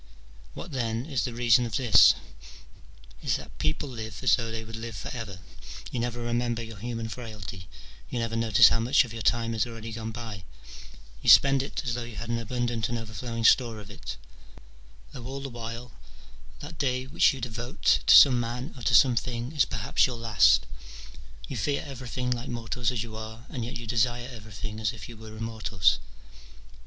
What, then, is the reason of this ? It is that people live as though they would live for ever : you never remember your human frailty ; you never notice how much of your time has already gone by : you spend it as though you had an abundant and overflowing store of it, though all the while that day which you devote CH. IV.J OF THE SHORTNESS OF LIFE. 293 to some man or to some thing is perhaps your last. You fear everything, like mortals as you are, and yet you desire everything as if you were immortals.